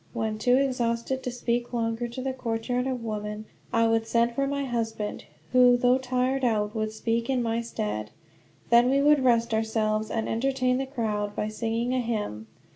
When too exhausted to speak longer to the courtyard of women, I would send for my husband, who though tired out would speak in my stead. Then we would rest ourselves, and entertain the crowd, by singing a hymn.